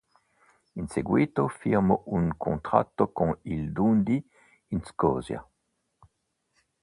In seguito firmò un contratto con il Dundee in Scozia.